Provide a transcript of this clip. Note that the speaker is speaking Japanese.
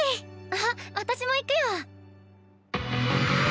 あっ私も行くよ。